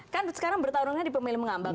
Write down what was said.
kan sekarang bertarungnya di pemilih mengambang